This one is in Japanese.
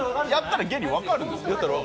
やったら原理分かるんですか？